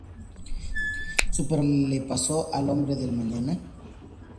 Superman: ¿Que le pasó al hombre del mañana?